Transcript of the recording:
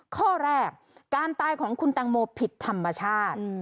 ข้อแรกการตายของคุณตังโมผิดธรรมชาติ